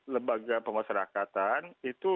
lembaga pemusyarakatan itu